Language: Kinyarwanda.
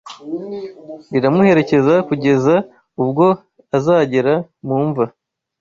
riramuherekeza kugeza ubwo azagera mu mva